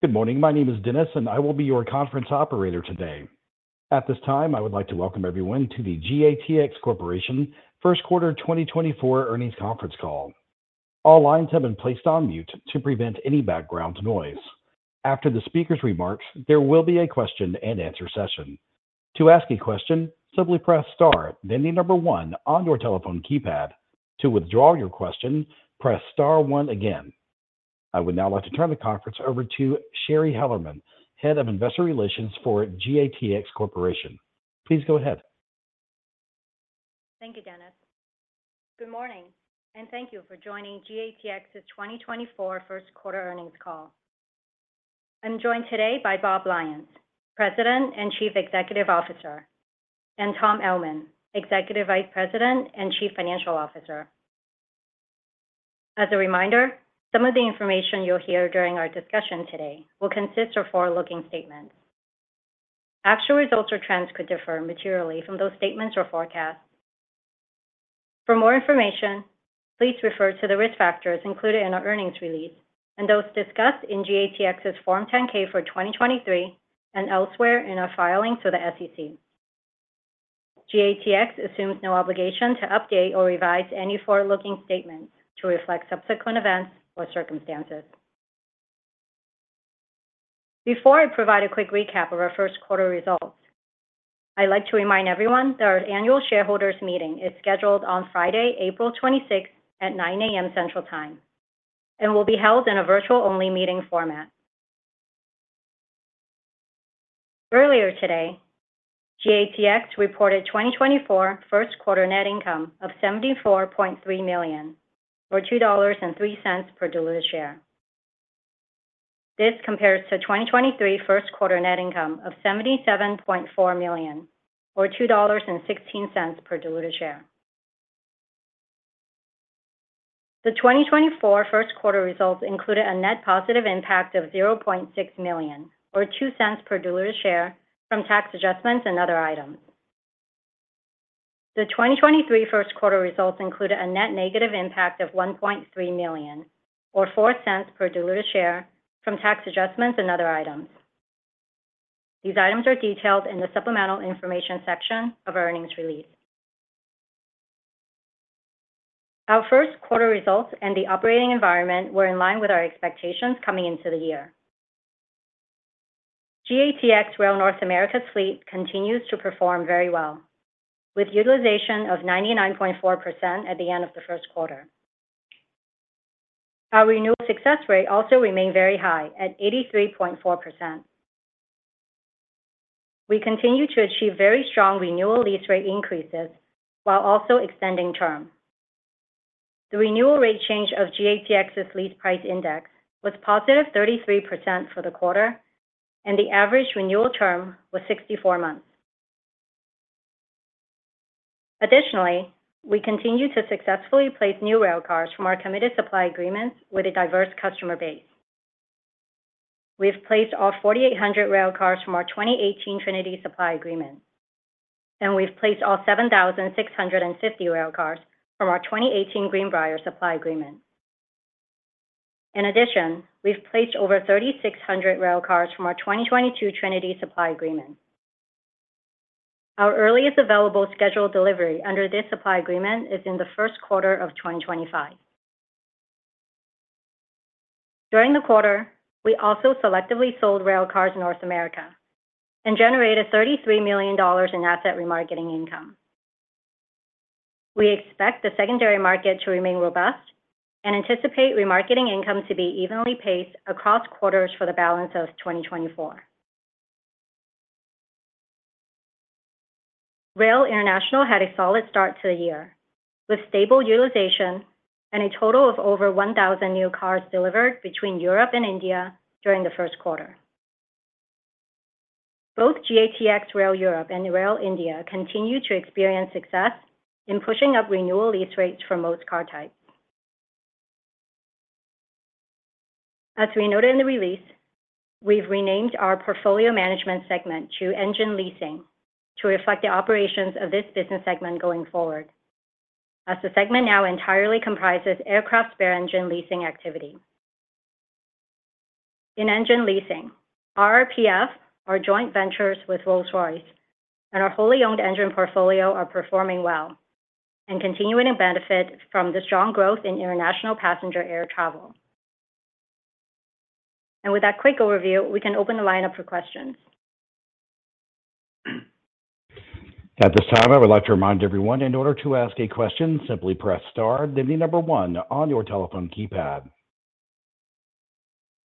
Good morning. My name is Dennis, and I will be your conference operator today. At this time, I would like to welcome everyone to the GATX Corporation First Quarter 2024 Earnings Conference Call. All lines have been placed on mute to prevent any background noise. After the speaker's remarks, there will be a Q&A session. To ask a question, simply press star then the number one on your telephone keypad. To withdraw your question, press star one again. I would now like to turn the conference over to Shari Hellerman, Head of Investor Relations for GATX Corporation. Please go ahead. Thank you, Dennis. Good morning, and thank you for joining GATX's 2024 First Quarter Earnings Call. I'm joined today by Bob Lyons, President and Chief Executive Officer, and Tom Ellman, Executive Vice President and Chief Financial Officer. As a reminder, some of the information you'll hear during our discussion today will consist of forward-looking statements. Actual results or trends could differ materially from those statements or forecasts. For more information, please refer to the risk factors included in our earnings release and those discussed in GATX's Form 10-K for 2023 and elsewhere in our filings to the SEC. GATX assumes no obligation to update or revise any forward-looking statements to reflect subsequent events or circumstances. Before I provide a quick recap of our first quarter results, I'd like to remind everyone that our annual shareholders' meeting is scheduled on Friday, April 26, at 9:00 A.M. Central Time, and will be held in a virtual-only meeting format. Earlier today, GATX reported 2024 First Quarter Net Income of $74.3 million, or $2.03 per diluted share. This compares to 2023 First Quarter Net Income of $77.4 million, or $2.16 per diluted share. The 2024 first quarter results included a net positive impact of $0.6 million, or $0.02 per diluted share, from tax adjustments and other items. The 2023 first quarter results included a net negative impact of $1.3 million, or $0.04 per diluted share, from tax adjustments and other items. These items are detailed in the Supplemental Information section of our earnings release. Our first quarter results and the operating environment were in line with our expectations coming into the year. GATX Rail North America's fleet continues to perform very well, with utilization of 99.4% at the end of the first quarter. Our renewal success rate also remained very high at 83.4%. We continue to achieve very strong renewal lease rate increases while also extending term. The renewal rate change of GATX's Lease Price Index was +33% for the quarter, and the average renewal term was 64 months. Additionally, we continue to successfully place new rail cars from our committed supply agreements with a diverse customer base. We've placed all 4,800 rail cars from our 2018 Trinity Supply Agreement, and we've placed all 7,650 rail cars from our 2018 Greenbrier Supply Agreement. In addition, we've placed over 3,600 rail cars from our 2022 Trinity Supply Agreement. Our earliest available scheduled delivery under this supply agreement is in the first quarter of 2025. During the quarter, we also selectively sold railcars in North America and generated $33 million in Asset Remarketing Income. We expect the secondary market to remain robust and anticipate remarketing income to be evenly paced across quarters for the balance of 2024. Rail International had a solid start to the year, with stable utilization and a total of over 1,000 new cars delivered between Europe and India during the first quarter. Both GATX Rail Europe and Rail India continue to experience success in pushing up renewal lease rates for most car types. As we noted in the release, we've renamed our portfolio management segment to Engine Leasing to reflect the operations of this business segment going forward, as the segment now entirely comprises aircraft spare Engine Leasing activity. In Engine Leasing, RRPF, our joint ventures with Rolls-Royce and our wholly owned engine portfolio, are performing well and continuing to benefit from the strong growth in international passenger air travel. With that quick overview, we can open the line up for questions. At this time, I would like to remind everyone, in order to ask a question, simply press star then the number one on your telephone keypad.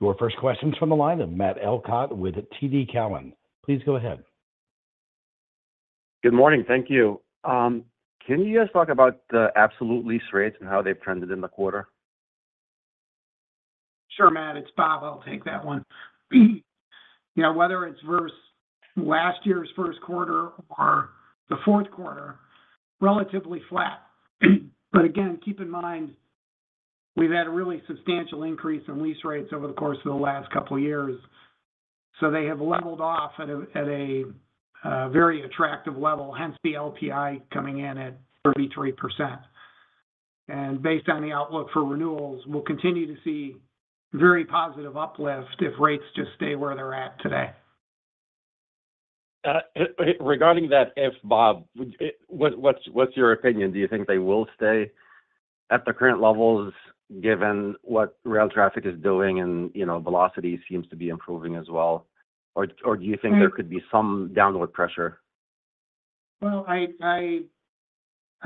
Your first question's from the line of Matt Elkott with TD Cowen. Please go ahead. Good morning. Thank you. Can you guys talk about the absolute lease rates and how they've trended in the quarter? Sure, Matt. It's Bob. I'll take that one. Whether it's versus last year's first quarter or the fourth quarter, relatively flat. But again, keep in mind we've had a really substantial increase in lease rates over the course of the last couple of years, so they have leveled off at a very attractive level, hence the LPI coming in at 33%. And based on the outlook for renewals, we'll continue to see very positive uplift if rates just stay where they're at today. Regarding that, if Bob, what's your opinion? Do you think they will stay at the current levels given what rail traffic is doing and velocity seems to be improving as well? Or do you think there could be some downward pressure? Well, I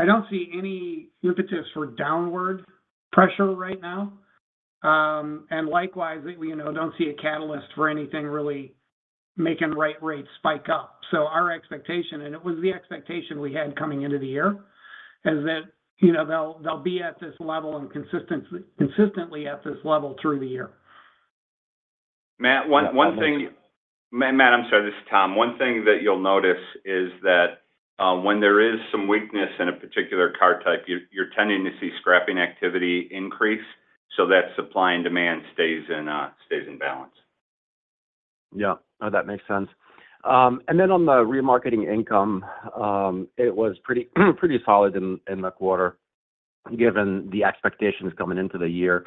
don't see any impetus for downward pressure right now. Likewise, I don't see a catalyst for anything really making rail rates spike up. So our expectation, and it was the expectation we had coming into the year, is that they'll be at this level and consistently at this level through the year. Matt, one thing. I'm sorry. This is Tom. One thing that you'll notice is that when there is some weakness in a particular car type, you're tending to see scrapping activity increase so that supply and demand stays in balance. Yeah. No, that makes sense. And then on the remarketing income, it was pretty solid in the quarter given the expectations coming into the year.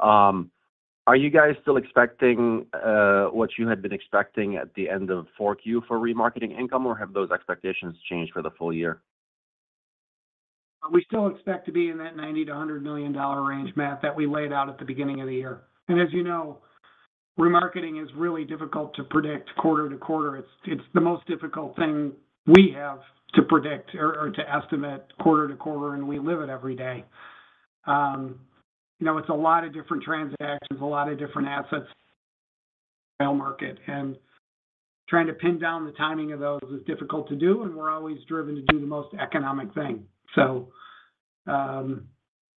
Are you guys still expecting what you had been expecting at the end of 4Q for remarketing income, or have those expectations changed for the full year? We still expect to be in that $90 million-$100 million range, Matt, that we laid out at the beginning of the year. As you know, remarketing is really difficult to predict quarter to quarter. It's the most difficult thing we have to predict or to estimate quarter to quarter, and we live it every day. It's a lot of different transactions, a lot of different assets in the rail market, and trying to pin down the timing of those is difficult to do, and we're always driven to do the most economic thing.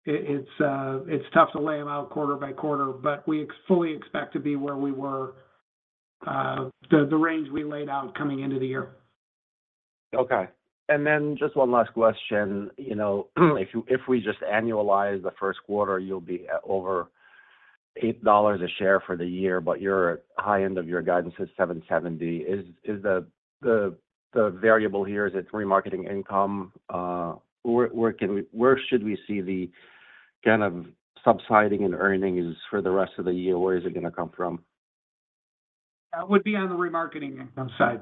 It's tough to lay them out quarter by quarter, but we fully expect to be where we were, the range we laid out coming into the year. Okay. And then just one last question. If we just annualize the first quarter, you'll be over $8 a share for the year, but your high end of your guidance is $7.70. Is the variable here remarketing income? Where should we see the kind of subsiding in earnings for the rest of the year? Where is it going to come from? It would be on the remarketing income side.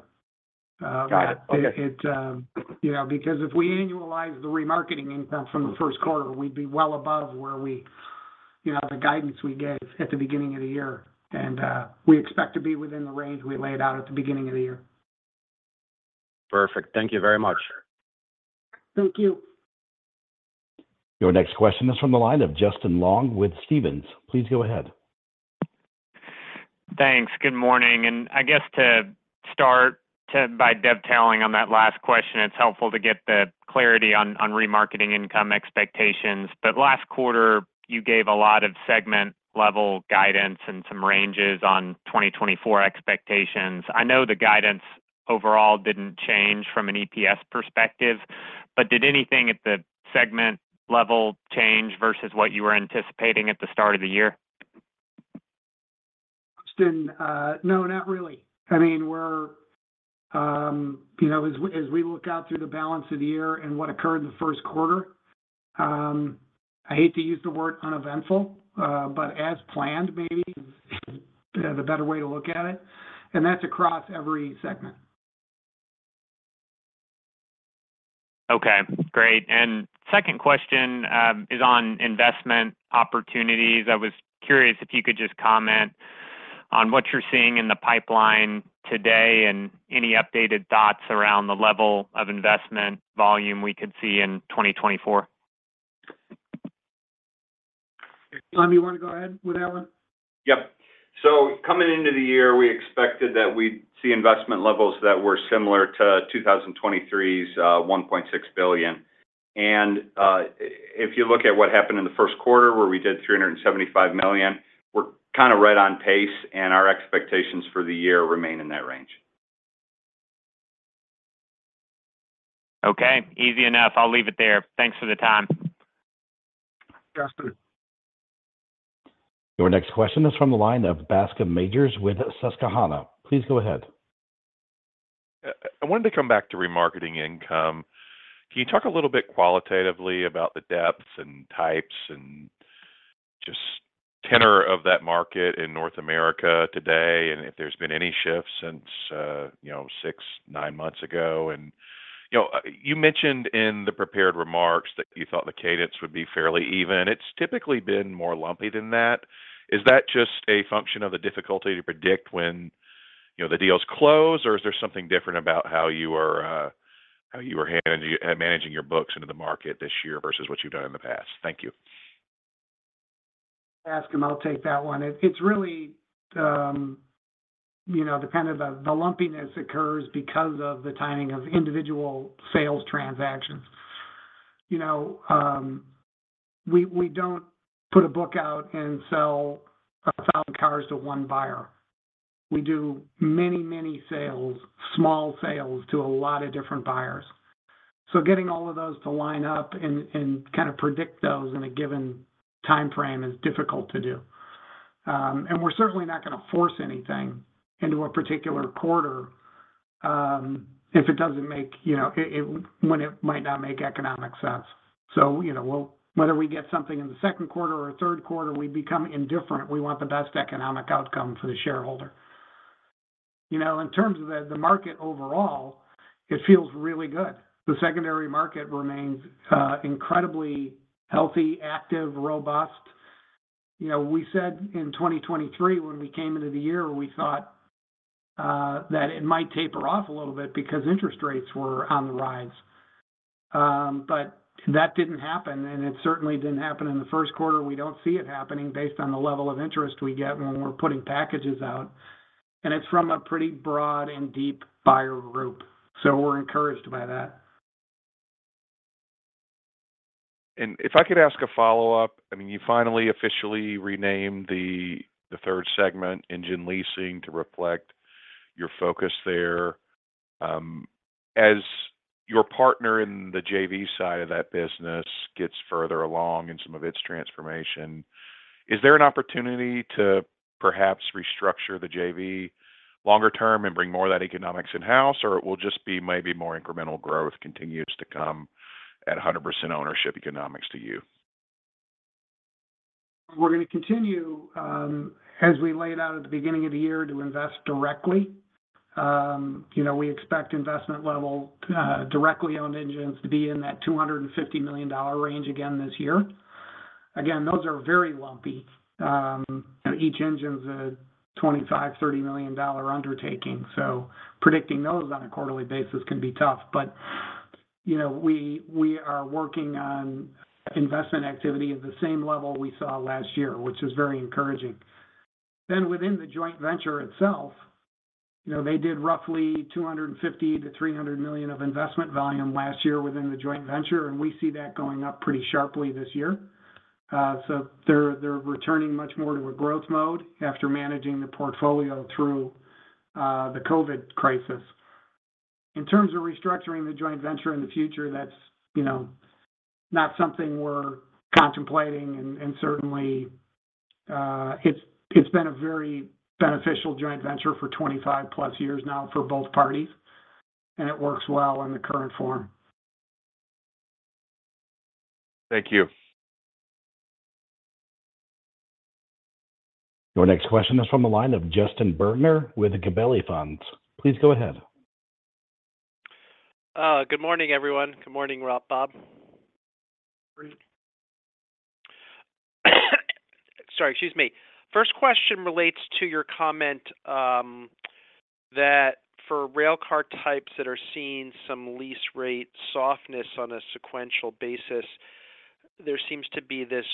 Because if we annualize the remarketing income from the first quarter, we'd be well above the guidance we gave at the beginning of the year, and we expect to be within the range we laid out at the beginning of the year. Perfect. Thank you very much. Thank you. Your next question is from the line of Justin Long with Stephens. Please go ahead. Thanks. Good morning. I guess to start by detailing on that last question, it's helpful to get the clarity on remarketing income expectations. But last quarter, you gave a lot of segment-level guidance and some ranges on 2024 expectations. I know the guidance overall didn't change from an EPS perspective, but did anything at the segment level change versus what you were anticipating at the start of the year? Justin, no, not really. I mean, as we look out through the balance of the year and what occurred in the first quarter, I hate to use the word uneventful, but as planned maybe is the better way to look at it. That's across every segment. Okay. Great. And second question is on investment opportunities. I was curious if you could just comment on what you're seeing in the pipeline today and any updated thoughts around the level of investment volume we could see in 2024? Tom, you want to go ahead with that one? Yep. So coming into the year, we expected that we'd see investment levels that were similar to 2023's $1.6 billion. And if you look at what happened in the first quarter, where we did $375 million, we're kind of right on pace, and our expectations for the year remain in that range. Okay. Easy enough. I'll leave it there. Thanks for the time. Thanks Justin. Your next question is from the line of Bascome Majors with Susquehanna. Please go ahead. I wanted to come back to remarketing income. Can you talk a little bit qualitatively about the depths and types and just tenor of that market in North America today and if there's been any shifts since six, nine months ago? And you mentioned in the prepared remarks that you thought the cadence would be fairly even. It's typically been more lumpy than that. Is that just a function of the difficulty to predict when the deals close, or is there something different about how you are handling your books into the market this year versus what you've done in the past? Thank you. Bascome, I'll take that one. It's really dependent. The lumpiness occurs because of the timing of individual sales transactions. We don't put a book out and sell 1,000 cars to one buyer. We do many, many sales, small sales, to a lot of different buyers. So getting all of those to line up and kind of predict those in a given timeframe is difficult to do. And we're certainly not going to force anything into a particular quarter if it doesn't make when it might not make economic sense. So whether we get something in the second quarter or third quarter, we become indifferent. We want the best economic outcome for the shareholder. In terms of the market overall, it feels really good. The secondary market remains incredibly healthy, active, robust. We said in 2023, when we came into the year, we thought that it might taper off a little bit because interest rates were on the rise. But that didn't happen, and it certainly didn't happen in the first quarter. We don't see it happening based on the level of interest we get when we're putting packages out. And it's from a pretty broad and deep buyer group, so we're encouraged by that. And if I could ask a follow-up, I mean, you finally officially renamed the third segment, Engine Leasing, to reflect your focus there. As your partner in the JV side of that business gets further along in some of its transformation, is there an opportunity to perhaps restructure the JV longer term and bring more of that economics in-house, or it will just be maybe more incremental growth continues to come at 100% ownership economics to you? We're going to continue, as we laid out at the beginning of the year, to invest directly. We expect investment level directly-owned engines to be in that $250 million range again this year. Again, those are very lumpy. Each engine's a $25 million-$30 million undertaking, so predicting those on a quarterly basis can be tough. But we are working on investment activity at the same level we saw last year, which is very encouraging. Then within the joint venture itself, they did roughly $250 million-$300 million of investment volume last year within the joint venture, and we see that going up pretty sharply this year. So they're returning much more to a growth mode after managing the portfolio through the COVID crisis. In terms of restructuring the joint venture in the future, that's not something we're contemplating, and certainly, it's been a very beneficial joint venture for 25+ years now for both parties, and it works well in the current form. Thank you. Your next question is from the line of Justin Bergner with Gabelli Funds. Please go ahead. Good morning, everyone. Good morning, Bob. Sorry. Excuse me. First question relates to your comment that for rail car types that are seeing some lease rate softness on a sequential basis, there seems to be this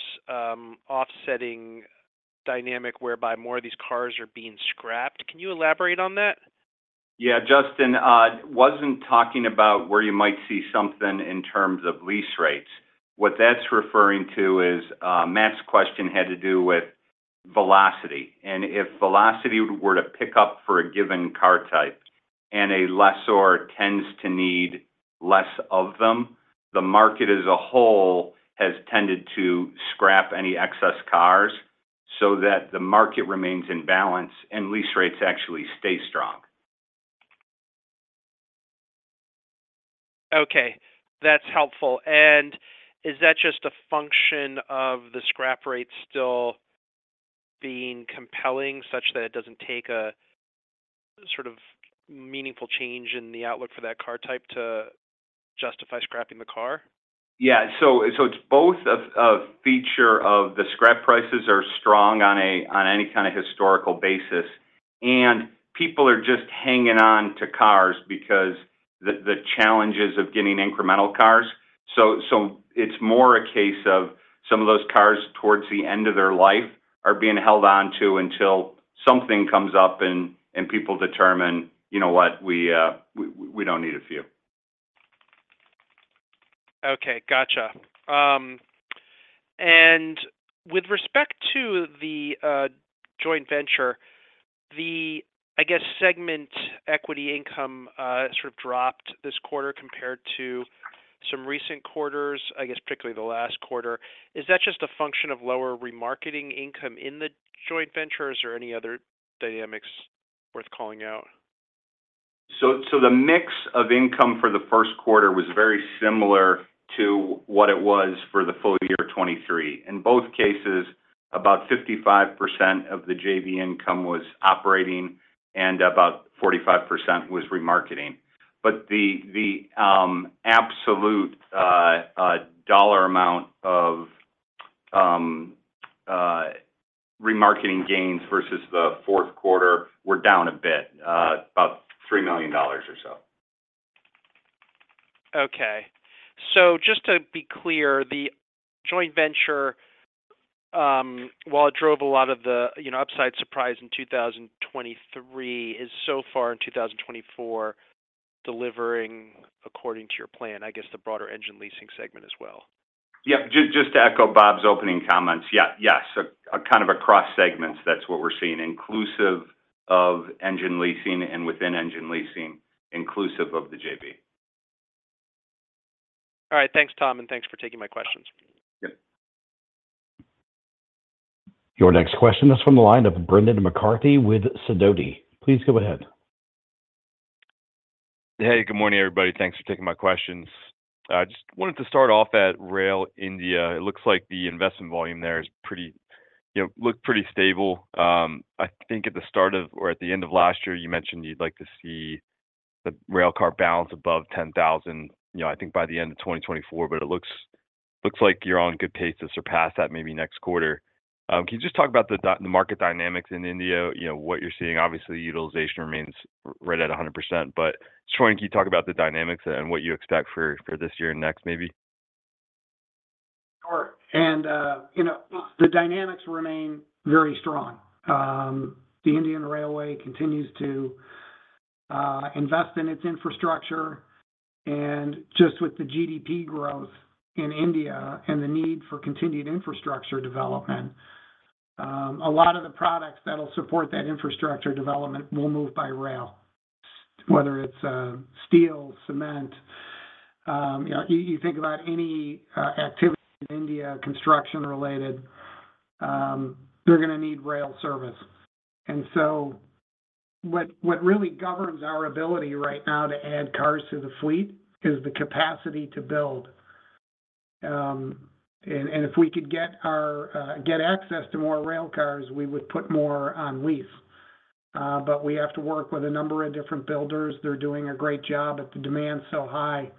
offsetting dynamic whereby more of these cars are being scrapped. Can you elaborate on that? Yeah. Justin, I wasn't talking about where you might see something in terms of lease rates. What that's referring to is Matt's question had to do with velocity. And if velocity were to pick up for a given car type and a lessor tends to need less of them, the market as a whole has tended to scrap any excess cars so that the market remains in balance and lease rates actually stay strong. Okay. That's helpful. And is that just a function of the scrap rate still being compelling such that it doesn't take a sort of meaningful change in the outlook for that car type to justify scrapping the car? Yeah. So it's both a feature of the scrap prices are strong on any kind of historical basis, and people are just hanging on to cars because of the challenges of getting incremental cars. So it's more a case of some of those cars towards the end of their life are being held onto until something comes up and people determine, "You know what? We don't need a few. Okay. Gotcha. And with respect to the joint venture, the, I guess, Segment Equity Income sort of dropped this quarter compared to some recent quarters, I guess, particularly the last quarter. Is that just a function of lower Remarketing Income in the joint venture, or is there any other dynamics worth calling out? The mix of income for the first quarter was very similar to what it was for the full year 2023. In both cases, about 55% of the JV income was operating and about 45% was remarketing. The absolute dollar amount of remarketing gains versus the fourth quarter were down a bit, about $3 million or so. Okay. So just to be clear, the joint venture, while it drove a lot of the upside surprise in 2023, is so far in 2024 delivering according to your plan, I guess, the broader Engine Leasing segment as well? Yep. Just to echo Bob's opening comments, yes. Kind of across segments, that's what we're seeing, inclusive of Engine Leasing and within Engine Leasing, inclusive of the JV. All right. Thanks, Tom, and thanks for taking my questions. Yep. Your next question is from the line of Brendan McCarthy with Sidoti. Please go ahead. Hey. Good morning, everybody. Thanks for taking my questions. I just wanted to start off at Rail India. It looks like the investment volume there looked pretty stable. I think at the start of or at the end of last year, you mentioned you'd like to see the railcar balance above 10,000, I think, by the end of 2024, but it looks like you're on good pace to surpass that maybe next quarter. Can you just talk about the market dynamics in India, what you're seeing? Obviously, utilization remains right at 100%, but just wondering if you could talk about the dynamics and what you expect for this year and next maybe. Sure. The dynamics remain very strong. The Indian Railways continues to invest in its infrastructure. Just with the GDP growth in India and the need for continued infrastructure development, a lot of the products that'll support that infrastructure development will move by rail, whether it's steel, cement. You think about any activity in India construction-related, they're going to need rail service. So what really governs our ability right now to add cars to the fleet is the capacity to build. If we could get access to more rail cars, we would put more on lease. We have to work with a number of different builders. They're doing a great job, but the demand's so high,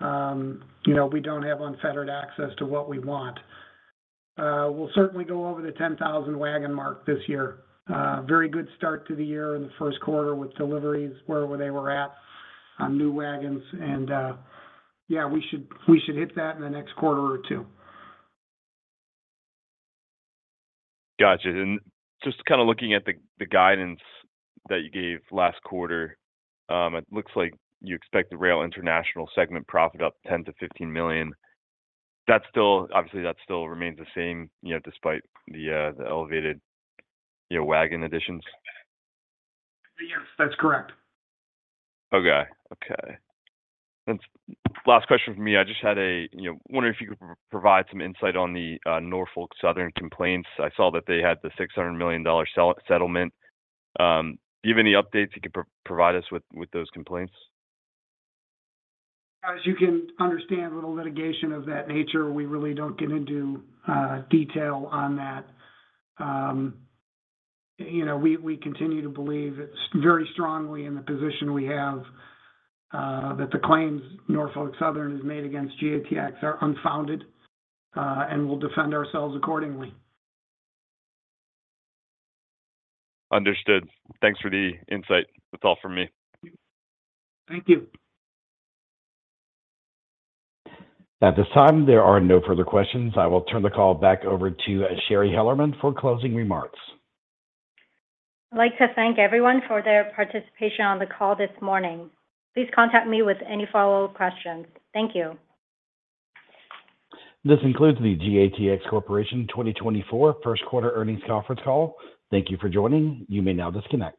we don't have unfettered access to what we want. We'll certainly go over the 10,000 wagon mark this year. Very good start to the year in the first quarter with deliveries where they were at on new wagons. Yeah, we should hit that in the next quarter or two. Gotcha. And just kind of looking at the guidance that you gave last quarter, it looks like you expect the Rail International segment profit up $10 million-$15 million. Obviously, that still remains the same despite the elevated wagon additions? Yes. That's correct. Okay. Okay. Last question from me. I just had a wondering if you could provide some insight on the Norfolk Southern complaints. I saw that they had the $600 million settlement. Do you have any updates you could provide us with those complaints? As you can understand, little litigation of that nature. We really don't get into detail on that. We continue to believe very strongly in the position we have that the claims Norfolk Southern has made against GATX are unfounded, and we'll defend ourselves accordingly. Understood. Thanks for the insight. That's all from me. Thank you. At this time, there are no further questions. I will turn the call back over to Shari Hellerman for closing remarks. I'd like to thank everyone for their participation on the call this morning. Please contact me with any follow-up questions. Thank you. This includes the GATX Corporation 2024 First Quarter Earnings Conference Call. Thank you for joining. You may now disconnect.